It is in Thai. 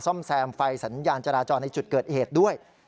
ซ่อมแซมไฟสัญญาณจราจรในจุดเกิดเหตุด้วย